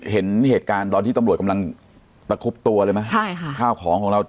เห็นเหตุการณ์ตอนที่ตำรวจกำลังตะคุบตัวเลยไหมใช่ค่ะข้าวของของเรา